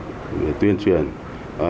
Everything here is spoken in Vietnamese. để tuyên truyền đối tượng đánh bạc